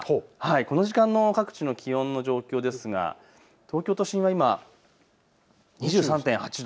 この時間の各地の気温の状況ですが東京都心は今、２３．８度。